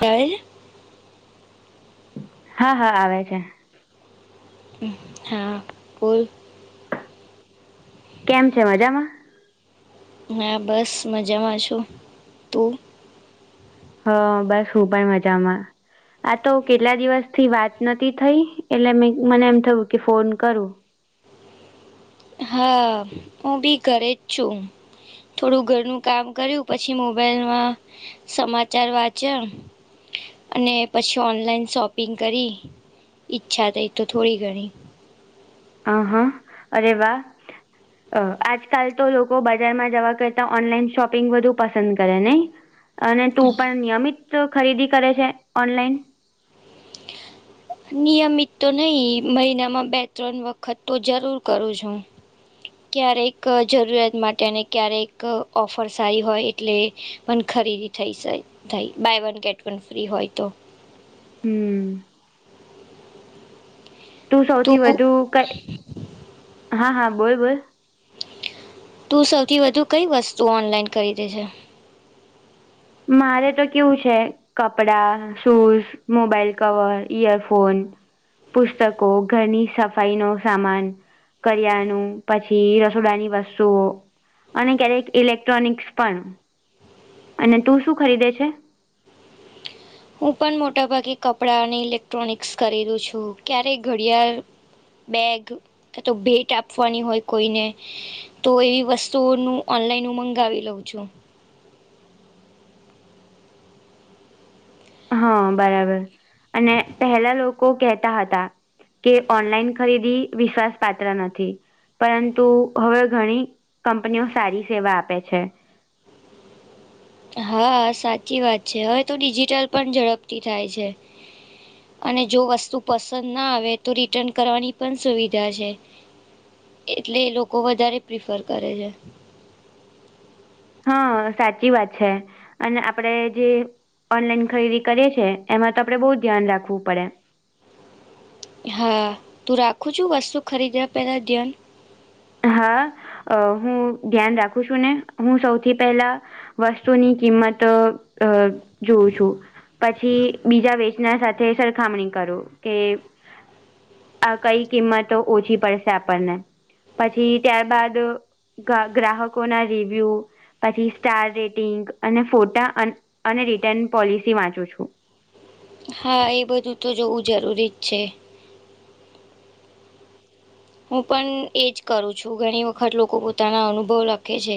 હે હા હા આવે છે. હા બોલ. કેમ છે મજામાં? હા બસ મજામાં છું તું. હા બસ હું પણ મજામાં. આ તો કેટલા દિવસથી વાત નથી થઈ એટલે મેં મને એમ થયું કે ફોન કરું. હા હું બી ઘરે જ છું. થોડું ઘરનું કામ કર્યું પછી મોબાઈલમાં સમાચાર વાંચ્યા. અને પછી ઓનલાઈન શોપિંગ કરી ઈચ્છા થઈ તો થોડી ઘણી આ હા અરે વાહ. અ આજકાલ તો લોકો બજારમાં જવા કરતા ઓનલાઈન શોપિંગ વધુ પસંદ કરે નય. અને તું પણ નિયમિત ખરીદી કરે છે, ઓનલાઈન. નિયમિત તો નય મહિનામાં બે ત્રણ વખત તો જરૂર કરું છું ક્યારેક જરૂરિયાત માટે અને ક્યારેક ઓફર સારી હોય એટલે પણ ખરીદી થઈ સે થઈ buy one get one free હોય તો હમમ. તું સૌથી વધુ કઈ. હા હા બોલ બોલ. તું સૌથી વધુ કઈ વસ્તુ ઓનલાઈન ખરીદે છે. મારે તો કેવું છે. કપડા શૂઝ મોબાઈલ કવર ઇયરફોન પુસ્તકો, ઘરની સફાઈ નો સામાન કરયાઅણુ પછી રસોડાની વસ્તુઓ અને દરેક ઇલેક્ટ્રોનિક્સ પણ અને તું શું ખરીદે છે? હું પણ મોટાભાગે કપડાં અને ઇલેક્ટ્રોનિકસ ખરીદુ છું. ક્યારેક ઘડિયાળ બેગ ક તો ભેટ આપવાની હોય કોઈને. તો એવી વસ્તુઓ નું ઓનલાઈન હું મંગાવી લઉં છુ. હા બરાબર અને પહેલા લોકો કેહેતા હતા. કે ઓનલાઈન ખરીદી વિશ્વાસ પાત્ર નથી. પરંતુ હવે ઘણી કંપનીઓ સારી સેવા આપે છે. હા સાચી વાત છે, હવે તો ડિજિટલ પણ ઝડપથી થાય છે. અને જો વસ્તુ પસંદ ના આવે તો રિટર્ન કરવાની પણ સુવિધા છે. એટલે એ લોકો વધારે પ્રિફર કરે છે. હા સાચી વાત છે, અને આપડે જે. ઓનલાઈન ખરીદી કરીએ છીએ એમાં તો આપડણે બહુ ધ્યાન રાખવું પડે. હા તું રાખું છુ વસ્તુ ખરીદયા પહેલાં ધ્યાન. હા અ હું ધ્યાન રાખું છું ને હું સૌથી પહેલા વસ્તુની કિંમત અ અ જોઉં છુ પછી બીજા વેચનાર સાથે તે સરખામણી કરુ કે. આ કઈ કિંમતો ઓછી પડશે આપણને. પછી ત્યારબાદ ગા ગ્રાહકો ના રિવ્યુ. પછી સ્ટાર રેટિંગ અને ફોટા અને અને રિટર્ન પોલિસી વાંચું છું. હા એ બધું તો જોવું જરૂરી જ છે. હું પણ એજ કરું છું ઘણી વખત લોકો પોતાના અનુભવ લખે છે.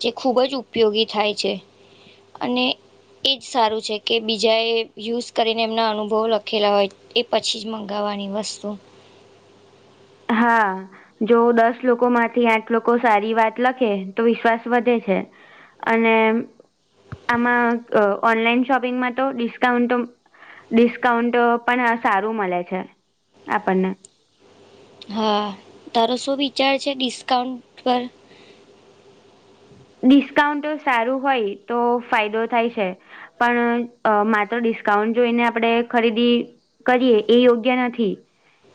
જે ખૂબજ ઉપયોગી થાય છે અને. એ જ સારું છે, કે બીજાએ યુઝ કરીને એમના અનુભવો લખેલા હોય. એ પછી જ મંગાવવાની વસ્તુ હા. જો દસ લોકો માંથી આઠ લોકો સારી વાત લખે તો વિશ્વાસ વધે છે. અને આમાં અ ઓનલાઈન શોપિંગમાં તો ડિસ્કાઉન્ટ તો. ડિસ્કાઉન્ટ પણ સારું મળે છે આપણને હા તારો શું વિચાર છે ડિસ્કાઉન્ટ પર. ડિસ્કાઉન્ટ સારું હોય તો ફાયદો થાય છે. પણ અ માત્ર ડિસ્કાઉન્ટ જોઈને આપણે ખરીદી. કરીએ એ યોગ્ય નથી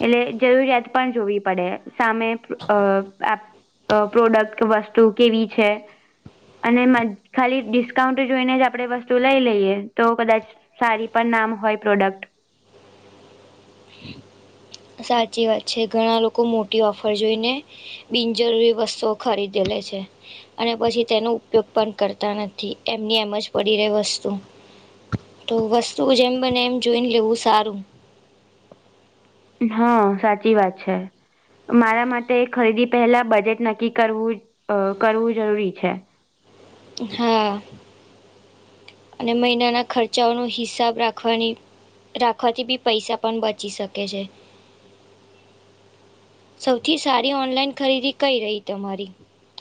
એટલે જરૂરિયાત પણ જોવી પડે. સામે અ પ્રોડક્ટ વસ્તુ કેવી છે. અને મ ખાલી ડિસ્કાઉન્ટ જોઈને જ આપણે વસ્તુ લઈ લઈએ તો કદાચ સારી પણ નામ હોય પ્રોડક્ટ સાચી વાત છે ઘણા લોકો મોટી ઓફર જોઈને. બિનજરૂરી વસ્તુઓ ખરીદે લે છે. અને પછી તેનો ઉપયોગ પણ કરતા નથી એમની એમ જ પડી રે વસ્તુ. તો વસ્તુ જેમ બને એમ જોઈન લેવું સારું. હા સાચી વાત છે. મારા માટે ખરીદી પહેલા બજેટ નક્કી કરવું અ કરવું જરૂરી છે. હા અને મહિનાના ખર્ચાઓનો હિસાબ રાખવાની રાખવાથી બી પૈસા પણ બચી શકે છે. સૌથી સારી ઓનલાઈન ખરીદી કઈ રહી તમારી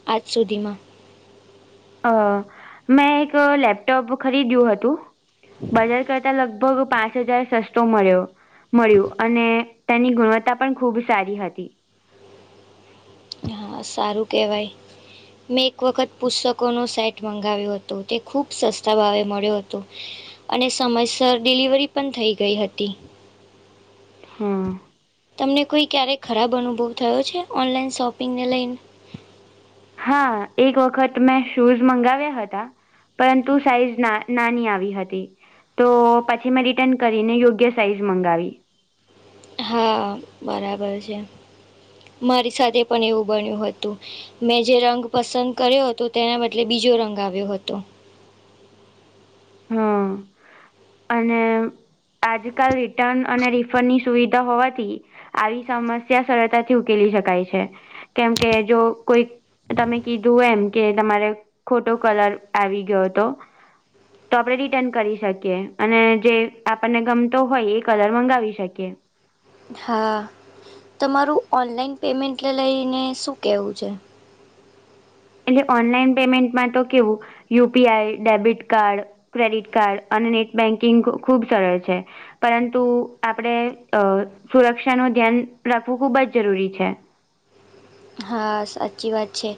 આજ સુધીમાં અ મેં એક લેપટોપ ખરીદ્યું હતું બજાર કરતા લગ ભગુ પાંચ હજાર સસ્તો મળ્યો. મળ્યું અને તેની ગુણવત્તા પણ ખૂબ સારી હતી. હા સારું કેહેવાય. મેં એક વખત પુસ્તકોનો સેટ મંગાવ્યો હતો તે ખૂબ સસ્તા ભાવે મળ્યો હતો. અને સમયસર ડિલિવરી પણ થઈ ગઈ હતી. હા. તમને કોઈ ક્યારેક ખરાબ અનુભવ થયો છે ઓનલાઈન શોપિંગને લઈને. હા એક વખત મેં શૂઝ મંગાવ્યા હતા પરંતુ સાઈઝ ના નાની આવી હતી. તો પછી મેં રિટર્ન કરીને યોગ્ય સાઈઝ મંગાવી. હા બરાબર છે. મારી સાથે પણ એવું બન્યું હતું. મેં જે રંગ પસંદ કર્યો હતો તેના બદલે બીજો રંગ આવ્યો હતો. હા અને આજકાલ રિટર્ન અને રિફંડની સુવિધા હોવાથી આવી સમસ્યા સરળતાથી ઉકેલી શકાય છે. કેમ કે જો કોઈ તમે કીધું એમ કે તમારે ખોટો કલર આવી ગીતો તો આપણે રિટર્ન કરી શકીએ અને જે આપણને ગમતો હોય એ કલર મંગાવી શકીએ. હા. તમારું ઓનલાઈન પેમેન્ટ લઈને શું કહેવું છે? અને ઓનલાઈન પેમેન્ટમાં તો કેવું U P I debit card, credit card અને નેટ બેન્કિંગ ખુબ સરળ છે. પરંતુ આપડે અ સુરક્ષા નું ધ્યાન રાખવું ખુબ જ જરૂરી છે. હા સાચી વાત છે.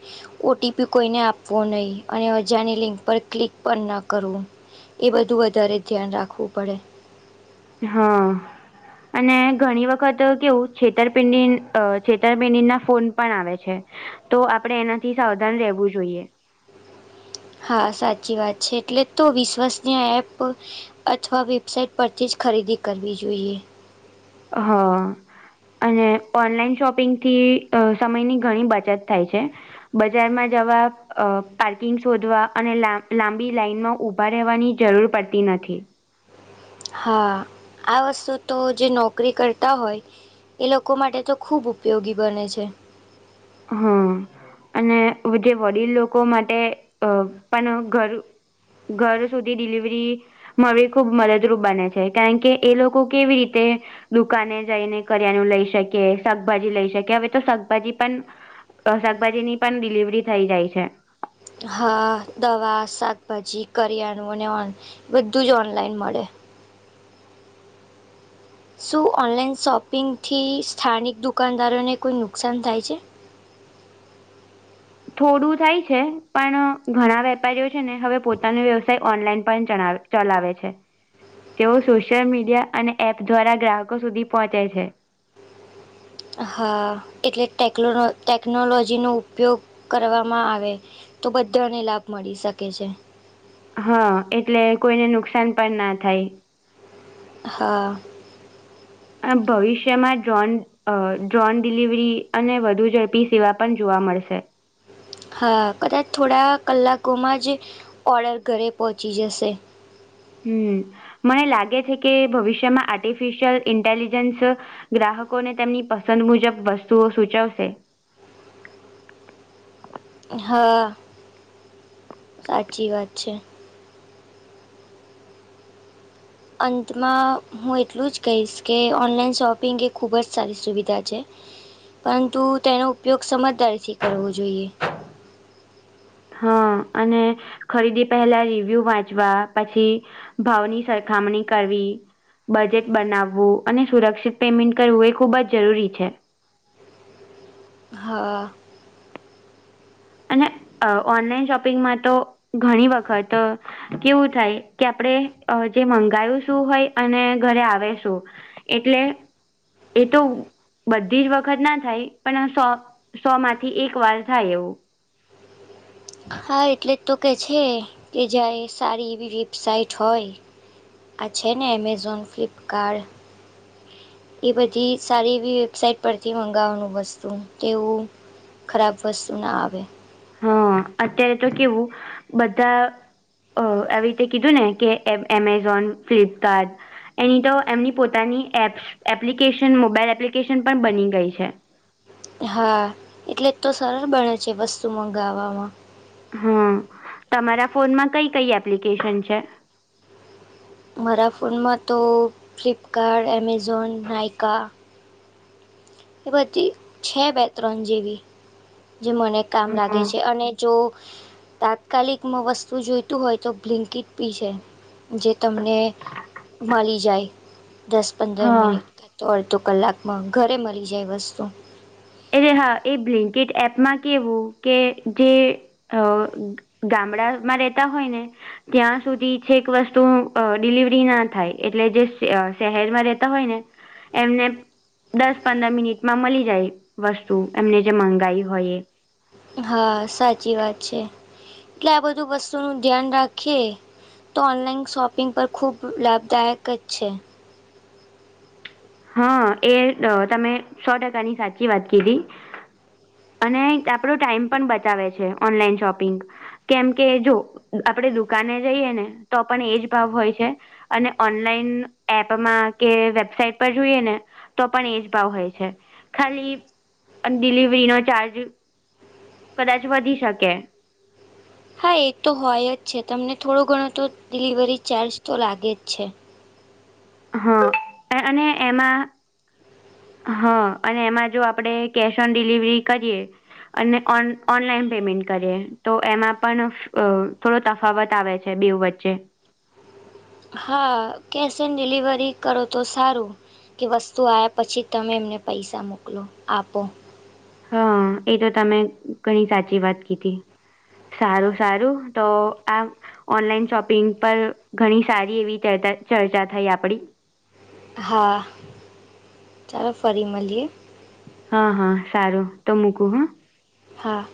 ઓ ટી પી કોઈને આપવો નય અને અજાણી લિંક પર ક્લિક પણ ન કરવું. એ બધું વધારે ધ્યાન રાખવું પડે. હા. અને ઘણી વખત તો કેવું છેતરપિંડી અ છેતરપિંડીના ફોન પણ આવે છે. તો આપણે એનાથી સાવધાન રહેવું જોઈએ. હા સાચી વાત છે એટલે તો વિશ્વસનીય એપ પર અથવા વેબસાઇટ પરથી જ ખરીદી કરવી જોઈએ. અ હા. અને ઓનલાઈન શોપિંગથી અ સમયની ઘણી બચત થાય છે. બજારમાં જવા અ પાર્કિંગ શોધવા અને લાબ, લાંબી લાાઈનમાં ઊભા રહેવાની જરૂર પડતી નથી. હા આ વસ્તુ તો જે નોકરી કરતા હોય એ લોકો માટે તો ખૂબ ઉપયોગી બને છે. હા અને જે વડીલ લોકો માટે અ પણ ઘર ઘર સુધી ડિલિવરી મળવી ખૂબ મદદરૂપ બને છે કારણ કે એ લોકો કેવી રીતે દુકાને જઈને કરિયાનું લઈ શકે, શાકભાજી લઈ શકે. હવે તો શાકભાજી પણ શાકભાજીની પણ ડિલિવરી થઈ જાય છે. હા દવા, શાકભાજી, કરિયાણું ને ઓન બધું જ ઓનલાઈન મળે. શું ઓનલાઈન શોપિંગથી સ્થાનિક દુકાનદારોને કોઈ નુકસાન થાય છે? થોડું થાય છે પણ ઘણા વેપારીઓ છે ને હવે પોતાનો વ્યવસાય ઓનલાઈન પણ ચલાવે. ચલાવે છે. તેઓ સોશિયલ મીડિયા અને એપ દ્વારા ગ્રાહકો સુધી પહોંચે છે. હા એટલે ટેક્નોલ, ટેકનોલોજીનો ઉપયોગ કરવામાં આવે. તો બધાને લાભ મળી શકે છે. હા એટલે કોઈને નુકસાન પણ ના થાય. હા. અ ભવિષ્યમાં ડ્રોન અહ ડ્રોન ડિલિવરી અને વધુ ઝડપી સેવા પણ જોવા મળશે. હા, કદાચ થોડા કલાકોમાં જ ઓર્ડર ઘરે પહોંચી જશે. હમમ. મને લાગે છે કે ભવિષ્યમાં આર્ટિફિશયલ ઇન્ટેલિજન્સ ગ્રાહકોને તેમની પસંદ મુજબ વસ્તુઓ સૂચવશે. હા સાચી વાત છે. અંતમાં હું એટલું જ કહીશ કે ઓનલાઈન શોપિંગ એ ખૂબ જ સારી સુવિધા છે. પરંતુ તેનો ઉપયોગ સમજદારીથી કરવો જોઈએ. હા અને ખરીદી પહેલા રિવ્યુ વાંચવા પછી ભાવની સરખામણી કરવી બજેટ બનાવવું અને સુરક્ષિત પેમેન્ટ કરવું એ ખૂબ જ જરૂરી છે. હા. અને અહ ઓનલાઈન શોપિંગમાં તો ઘણી વખત અહ કેવું થાય કે આપડે અહ જે મંગાયું શું હોય અને ઘરે આવે શું. એટલે એ તો બધી જ વખત ના થાય પણ અ સો સો માંથી એક વાર થાય એવું. હા, એટલે જ તો કે છે કે જાય સારી એવી વેબસઇટ હોય. આ છે ને અમેઝોન ફ્લિપકાર્ડ એ બધી સારી એવી વેબસાઇટ પરથી મંગાવવાનું વસ્તુ તેવું ખરાબ વસ્તુ ના આવે. હા, અત્યારે તો કેવું બધા અહ આવી રીતે કીધું ને કે એ-એમેઝોન, ફ્લિપકાર્ટ એની તો એમની પોતાની એપ્સ એપ્લિકેશન મોબાઈલ એપ્લિકેશન પણ બની ગઈ છે. હા, એટલે તો સરળ બને છે વસ્તુ મંગાવવામાં. હા, તમારા ફોનમાં કઈ કઈ એપ્લિકેશન છે? મારા ફોનમાં તો ફ્લિપકાર્ટ, એમેઝોન, નાઇકા એ બધી છે બે ત્રણ જેવી જે મને કામ લાગે હા છે અને જો તાત્કાલિક માં વસ્તુ જોઈતું હોય તો બ્લિંકીટ પી છે. જે તમને મલી જાય દસ પંદર હા મિનિટ કે તો અડધો કલાકમાં ઘરે મલી જાય વસ્તુ. એ હા એ બ્લોન્કીટ એપમાં કેવું કે જે અહ ગામડામાં રેતા હોય ને ત્યાં સુધી છેક વસ્તુ અહ ડિલિવરી ના થાય એટલે જે ફ્યા શહેરમાં રહેતા હોય ને એમને દસ પંદર મિનિટમાં મલી જાય. વસ્તુ એમને જે મંગાઈ હોય એ. હા, સાચી વાત છે. એટલે આ બધું વસ્તુ નું ધ્યાન રાખીએ તો ઓનલાઈન શોપિંગ પર ખૂબ લાભદાયક કજ છે. હા, એ અહ તમે સો ટકાની સાચી વાત કીધી. અને એક આપડો ટાઈમ પણ બચાવે છે, ઓનલાઈન શોપિંગ. કેમ કે જો આપડે દુકાને જઈએ ને તો પણ એજ ભાવ હોય છે. અને ઓનલાઈન એપમાં કે વેબસાઇટ પર જોઈએ ને તો પણ એજ ભાવ હોય છે. ખાલી અન ડિલિવરી નો ચાર્જ કદાચ વધી શકે. હા, એ તો હોય જ છે તમને થોડું ઘણું તો ડિલિવરી ચાર્જ તો લાગે જ છે. હા અ-અને એમાં હા અને એમાં જો આપડે કેશ ઓન ડિલિવરી કરીએ અને ઓન ઓન-ઓનલાઈન પેમેન્ટ કરીએ તો એમાં પણ અહ થોડો તફાવત આવે છે બેઉ વચ્ચે. હા, કેશ એન ડિલિવરી કરો તો સારું. કે વસ્તુ આવ્યા પછી તમે એમને પૈસા મોકલો આપો. હા, એ તો તમે ઘણી સાચી વાત કીધી. સારું સારું તો આમ ઓનલાઈન શોપિંગ પર ઘણી સારી એવી ચર-ચર્ચા થઈ આપડી. હા, ચાલો ફરી મલીએ. હા હા સારું તો મૂકું હ. હા.